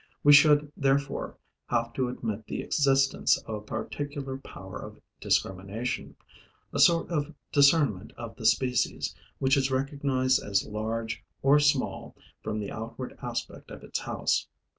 We should therefore have to admit the existence of a particular power of discrimination, a sort of discernment of the species, which is recognized as large or small from the outward aspect of its house.